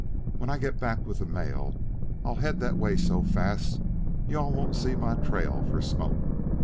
When I get back with the mail, I'll head that way so fast you all won't see my trail for smoke.